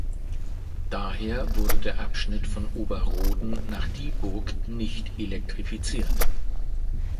Daher wurde der Abschnitt von Ober-Roden nach Dieburg nicht elektrifiziert.